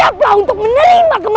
aku akan menangkapmu